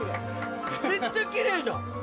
めっちゃきれいじゃん！